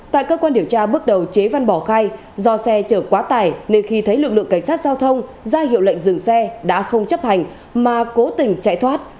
tại cơ quan điều tra bước đầu chế văn bỏ khai do xe chở quá tải nên khi thấy lực lượng cảnh sát giao thông ra hiệu lệnh dừng xe đã không chấp hành mà cố tình chạy thoát